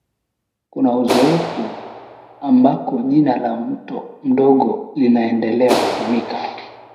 Kuna uzoefu ambako jina la mto mdogo linaendelea kutumika